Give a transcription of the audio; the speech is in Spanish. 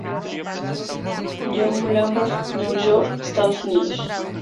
Yvon Lambert, New York, Estados Unidos.